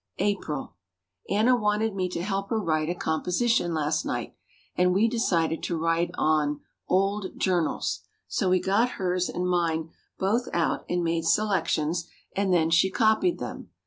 April. Anna wanted me to help her write a composition last night, and we decided to write on "Old Journals," so we got hers and mine both out and made selections and then she copied them.